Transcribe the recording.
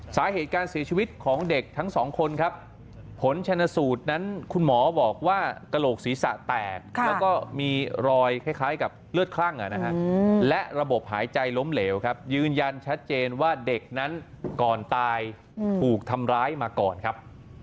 สาเหตุการเสียชีวิตของเด็กทั้งสองคนครับผลชนสูตรนั้นคุณหมอบอกว่ากระโหลกศีรษะแตกแล้วก็มีรอยคล้ายกับเลือดคลั่งและระบบหายใจล้มเหลวครับยืนยันชัดเจนว่าเด็กนั้นก่อนตายถูกทำร้ายมาก่อนครับ